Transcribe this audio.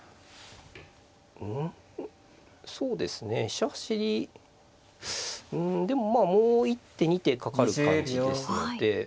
飛車走りうんでもまあもう１手２手かかる感じですので。